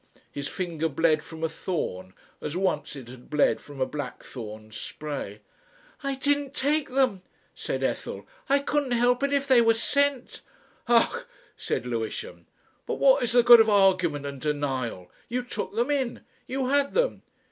His finger bled from a thorn, as once it had bled from a blackthorn spray. "I didn't take them," said Ethel. "I couldn't help it if they were sent." "Ugh!" said Lewisham. "But what is the good of argument and denial? You took them in, you had them.